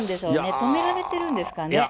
止められてるんですかね。